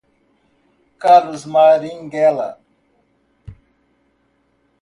Carlos Marighella